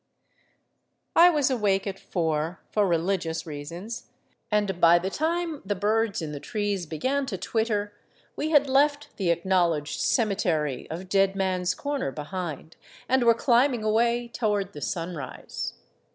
I was awake at four — for religious reasons — and by the time the birds in the trees began to twitter we had left the acknowledged ceme tery of Dead Man's Corner behind, and were climbing away toward the sunrise.